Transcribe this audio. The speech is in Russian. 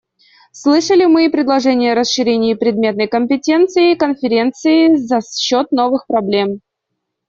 Слышали мы и предложения о расширении предметной компетенции Конференции за счет новых проблем.